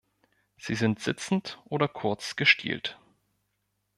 Sie sind sitzend oder kurz gestielt.